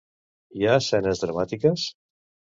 Hi ha escenes dramàtiques?